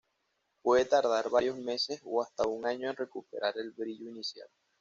Puede tardar varios meses o hasta un año en recuperar el brillo inicial.